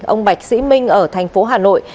ông bạch sĩ minh ở thành phố hà nội